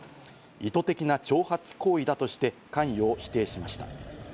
意図的な挑発行為だとして、関与を否定しました。